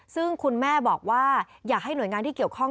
ซึ่งคุณแม่บอกว่าอยากให้หน่วยงานที่เกี่ยวข้อง